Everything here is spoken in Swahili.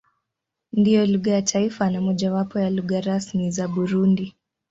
Ndiyo lugha ya taifa na mojawapo ya lugha rasmi za Burundi.